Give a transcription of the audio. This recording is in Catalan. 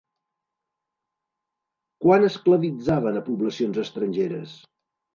Quan esclavitzaven a poblacions estrangeres?